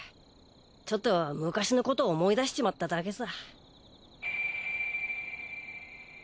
ちょっと昔のこと思い出しちまっただけさ。